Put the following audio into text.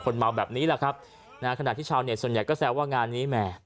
คนเมาแบบนี้แหละครับณขณะที่ชาวเนี่ยส่วนใหญ่ก็แซ่ว่างานนี้แม่